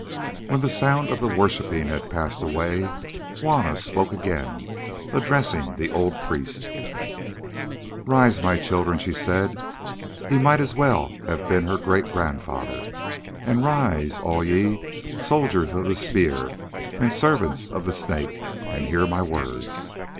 When the sound of the worshipping had passed away Juanna spoke again, addressing the old priest. "Rise, my child," she said—he might well have been her great grandfather—"and rise all ye, soldiers of the Spear and servants of the Snake, and hear my words.